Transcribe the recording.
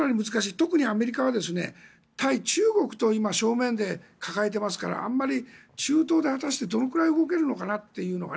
特にアメリカは対中国と正面で抱えていますから、あまり中東でどれだけ動けるのかなという。